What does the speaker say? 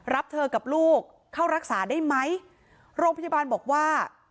รับเธอกับลูกเข้ารักษาได้ไหมโรงพยาบาลบอกว่า